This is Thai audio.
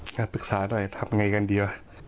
กับปรึกษาหน่อยทำไงกันดีอะ